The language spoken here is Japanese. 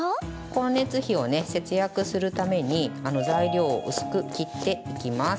光熱費を節約するために材料を薄く切っていきます。